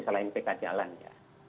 selain pk jalan ya